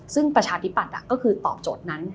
ซึ่งประชาธิปัตย์ก็คือตอบโจทย์นั้น